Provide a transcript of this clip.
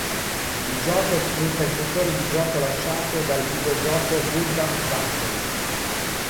Il gioco sfrutta il motore di gioco lanciato dal videogioco "Gundam Battle".